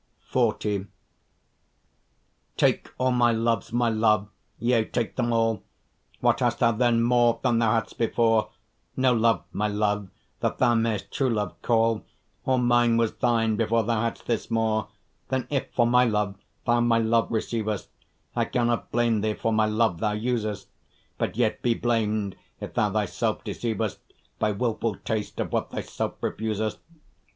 XL Take all my loves, my love, yea take them all; What hast thou then more than thou hadst before? No love, my love, that thou mayst true love call; All mine was thine, before thou hadst this more. Then, if for my love, thou my love receivest, I cannot blame thee, for my love thou usest; But yet be blam'd, if thou thyself deceivest By wilful taste of what thyself refusest.